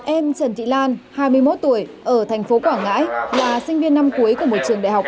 em trần thị lan hai mươi một tuổi ở thành phố quảng ngãi là sinh viên năm cuối của một trường đại học